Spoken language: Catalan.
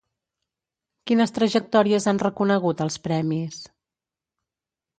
Quines trajectòries han reconegut els premis?